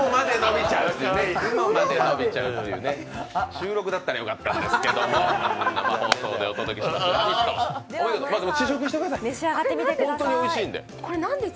収録だったらよかったんですが、生放送でお届けしています。